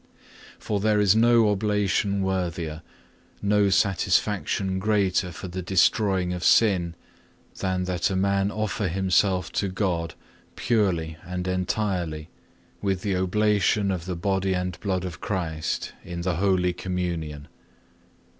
For there is no oblation worthier, no satisfaction greater for the destroying of sin, than that a man offer himself to God purely and entirely with the oblation of the Body and Blood of Christ in the Holy Communion.